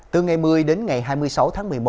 từ ngày một mươi đến ngày hai mươi sáu tháng một mươi một